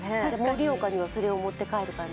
盛岡にはそれを持って帰る感じ？